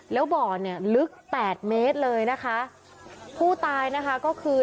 แล้วบ่อเนี่ยลึกแปดเมตรเลยนะคะผู้ตายนะคะก็คือ